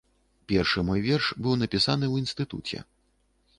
Першы мой верш быў напісаны ў інстытуце.